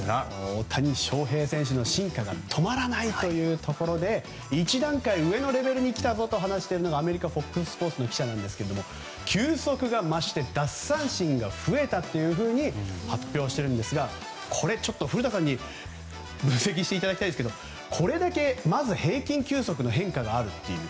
大谷翔平選手の進化が止まらないということで一段階上のレベルに来たぞと話しているのはアメリカＦＯＸスポーツの記者なんですけども球速が増して奪三振が増えたというふうに発表してるんですがこれ、古田さんに分析していただきたいんですけどこれだけ、まず平均球速の変化があるという。